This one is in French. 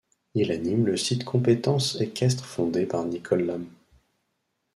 Il anime le site Compétences Equestres fondé par Nicole Lahm.